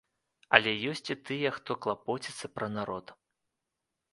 Але ёсць і тыя, хто клапоціцца пра народ.